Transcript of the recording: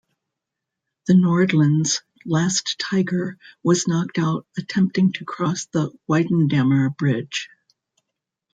The "Nordland"'s last Tiger was knocked out attempting to cross the Weidendammer Bridge.